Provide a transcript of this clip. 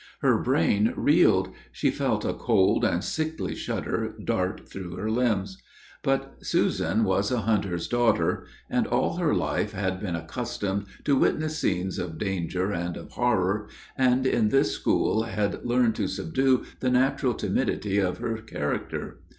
Her brain reeled; she felt a cold and sickly shudder dart through her limbs. But Susan was a hunter's daughter, and, all her life, had been accustomed to witness scenes of danger and of horror, and in this school had learned to subdue the natural timidity of her character.